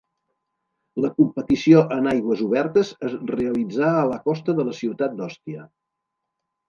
La competició en aigües obertes es realitzà a la costa de la ciutat d'Òstia.